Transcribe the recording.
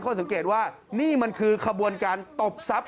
สังเกตว่านี่มันคือขบวนการตบทรัพย